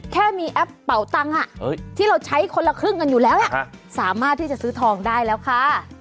แค่มีแอปเป่าตังค์ที่เราใช้คนละครึ่งกันอยู่แล้วสามารถที่จะซื้อทองได้แล้วค่ะ